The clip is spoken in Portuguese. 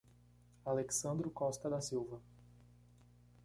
Alexsandro Costa da Silva